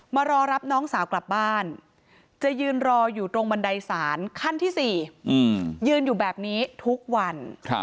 มารอรับน้องสาวกลับบ้านจะยืนรออยู่ตรงบันไดศาลขั้นที่๔ยืนอยู่แบบนี้ทุกวัน